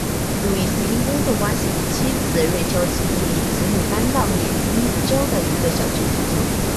路易斯因工作关系与妻子瑞秋及一对子女搬到缅因州的一个小镇居住。